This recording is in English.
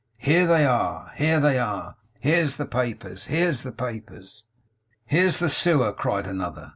Here they are! Here they are! Here's the papers, here's the papers!' 'Here's the Sewer!' cried another.